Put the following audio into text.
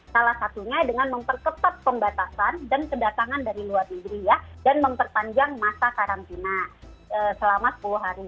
salah satunya dengan memperketat pembatasan dan kedatangan dari luar negeri ya dan memperpanjang masa karantina selama sepuluh hari